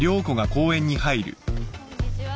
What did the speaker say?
こんにちは。